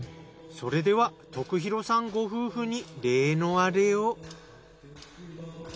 それでは徳弘さんご夫婦に例のアレを。